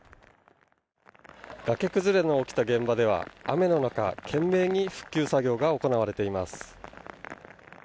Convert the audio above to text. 崖崩れが起きた現場では雨の中、懸命に復旧作業が行われています。